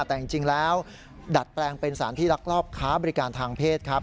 แต่จริงแล้วดัดแปลงเป็นสารที่ลักลอบค้าบริการทางเพศครับ